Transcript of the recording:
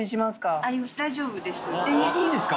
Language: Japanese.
いいんですか？